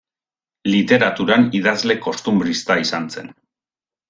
Literaturan idazle kostunbrista izan zen.